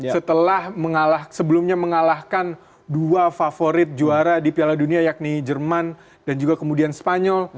setelah sebelumnya mengalahkan dua favorit juara di piala dunia yakni jerman dan juga kemudian spanyol